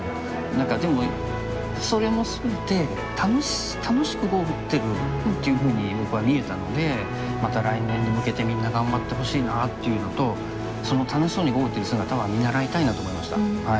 何かでもそれも全て楽しく碁を打ってるっていうふうに僕は見えたのでまた来年に向けてみんな頑張ってほしいなっていうのとその楽しそうに碁を打ってる姿は見習いたいなと思いました。